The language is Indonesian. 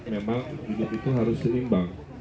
memang hidup itu harus seimbang